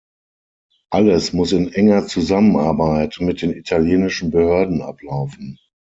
Alles muss in enger Zusammenarbeit mit den italienischen Behörden ablaufen.